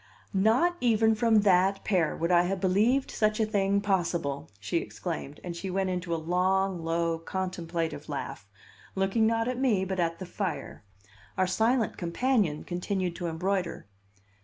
"Not even from that pair would I have believed such a thing possible!" she exclaimed; and she went into a long, low, contemplative laugh, looking not at me, but at the fire. Our silent companion continued to embroider.